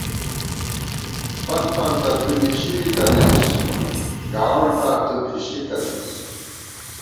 فنت فنتہ تُو نِشِی تنَئیس گاوَنڈ فار تُو پھِشی تنَئیس